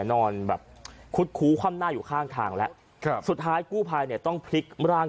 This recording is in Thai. นอนแบบคุดคู้คว่ำหน้าอยู่ข้างทางแล้วครับสุดท้ายกู้ภัยเนี่ยต้องพลิกร่าง